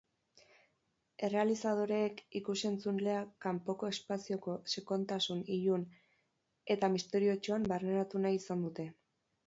Errealizadoreek ikus-entzulea kanpoko espazioko sakontasun ilun eta misteriotsuan barneratu nahi izan dute.